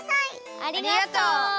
ありがとう！